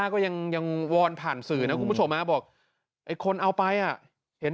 ก็ยังวอนผ่านสื่อนะคุณผู้ชมบอกไอ้คนเอาไปอ่ะเห็น